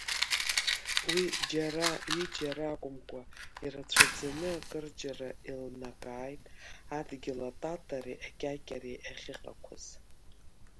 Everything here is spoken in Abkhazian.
Уи џьара, ҩыџьара акәымкәа, ирацәаӡаны акырџьара еилнакааит, адгьыл ататареи акьакьареи ахьыҟақәаз.